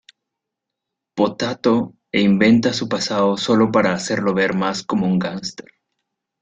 Potato e inventa su pasado sólo para hacerlo ver más como un gángster.